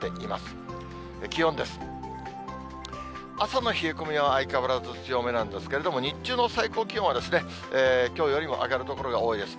朝の冷え込みは相変わらず強めなんですけれども、日中の最高気温は、きょうよりも上がる所が多いです。